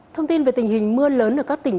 thông tin về tình hình mưa lớn ở các tỉnh